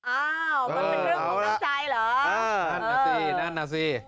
อ้าวมันเป็นเรื่องของน้ำใจเหรอนั่นน่ะสินั่นน่ะสิ